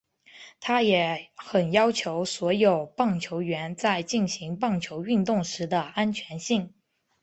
他也很要求所有棒球员在进行棒球运动时的安全性。